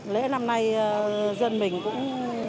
lễ năm nay dân mình cũng